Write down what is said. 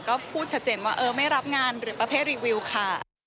ก็พูดชัดเจนว่าเออไม่รับงานหรือประเภทรีวิวค่ะ